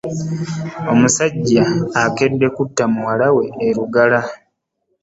Omusajja akedde kutta muwala we e Lugala.